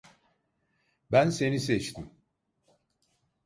Ben seni seçtim.